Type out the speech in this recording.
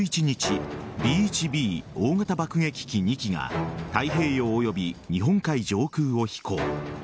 １１日Ｂ‐１Ｂ大型爆撃機２機が太平洋および日本海上空を飛行。